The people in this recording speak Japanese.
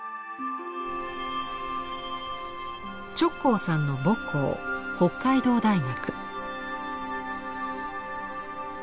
直行さんの母校北海道大学。